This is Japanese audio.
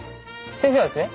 先生はですね